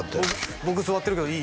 「僕座ってるけどいい？」